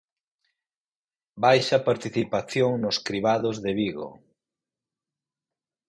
Baixa participación nos cribados de Vigo.